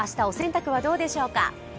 お洗濯どうでしょうか？